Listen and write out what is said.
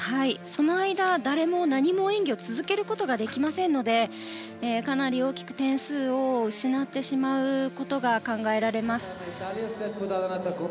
その間、誰も何も演技を続けることができませんのでかなり大きく点数を失ってしまうことが考えられます。